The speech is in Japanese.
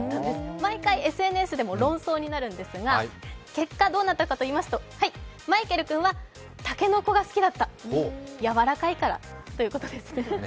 毎回ＳＮＳでも論争になるんですが、結果どうなったかといいますと、マイケル君はたけのこが好きだった、やわらかいからということですね。